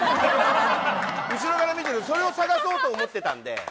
後ろから見てるとそれを探そうと思ってたんで。